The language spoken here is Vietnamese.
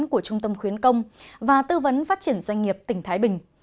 của trung tâm khuyến công và tư vấn phát triển doanh nghiệp tỉnh thái bình